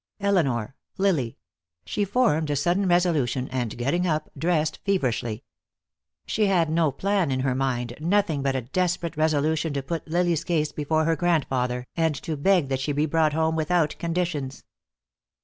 Elinor, Lily She formed a sudden resolution, and getting up, dressed feverishly. She had no plan in her mind, nothing but a desperate resolution to put Lily's case before her grandfather, and to beg that she be brought home without conditions.